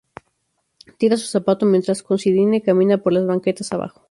Tira su zapato mientras Considine camina por las banquetas abajo.